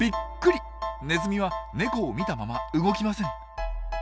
ネズミはネコを見たまま動きません。